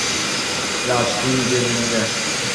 রাজ, তুই নিজের রুমে যা।